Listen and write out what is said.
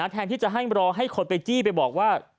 แทนที่จะให้รอให้คนไปจี้ไปบอกว่า